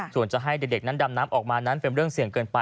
ส่วนจะให้เด็กนั้นดำน้ำออกมานั้นเป็นเรื่องเสี่ยงเกินไป